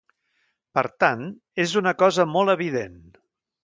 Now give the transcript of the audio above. Per tant, és una cosa molt evident.